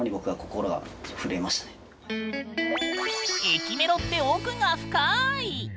駅メロって奥が深い！